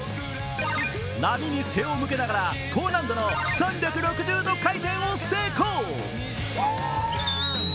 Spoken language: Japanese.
波に背を向けながら、高難度の３６０回転を成功。